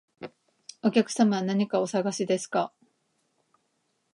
お客様、何かお探しですか？